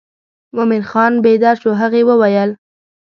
مومن خان بېده شو هغې وویل.